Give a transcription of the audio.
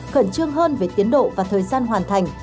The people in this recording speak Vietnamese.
khẩn trương hơn về tiến độ và thời gian hoàn thành